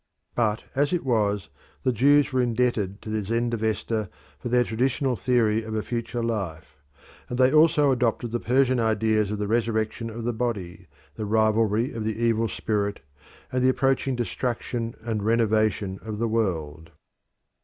But as it was, the Jews were indebted to the Zend Avesta for their traditional theory of a future life, and they also adopted the Persian ideas of the resurrection of the body, the rivalry of the evil spirit, and the approaching destruction and renovation of the world.